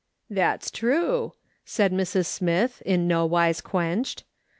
" That's true," said Mrs. Smith, in no wise quenched.